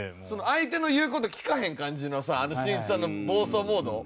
相手の言う事聞かへん感じのさあのしんいちさんの暴走モード。